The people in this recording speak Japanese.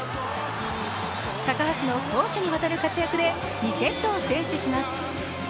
高橋の攻守にわたる活躍で２セットを先取します。